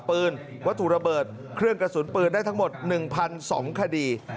ปืนวัตถุระเบิดเครื่องกระสุนปืนได้ทั้งหมด๑๒คดี